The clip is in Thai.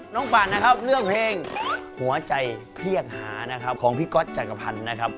ปั่นนะครับเลือกเพลงหัวใจเพียงหานะครับของพี่ก๊อตจักรพันธ์นะครับ